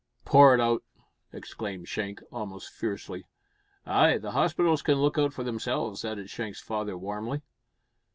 "Pour it out!" exclaimed Shank, almost fiercely. "Ay, the hospitals can look out for themselves," added Shank's father warmly.